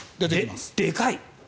でかい。